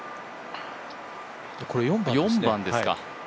これ４番ですね。